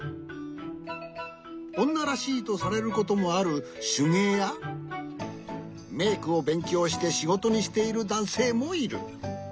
おんならしいとされることもあるしゅげいやメークをべんきょうしてしごとにしているだんせいもいる。